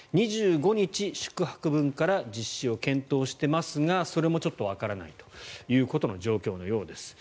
２５日宿泊分から実施を検討してますがそれもちょっとわからないという状況のようです。